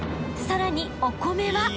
［さらにお米は］